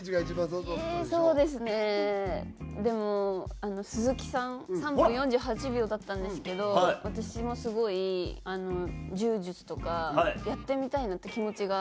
そうですねでも鈴木さん３分４８秒だったんですけど私もすごい柔術とかやってみたいなって気持ちが。